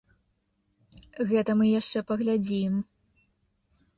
Гэта мы яшчэ паглядзім!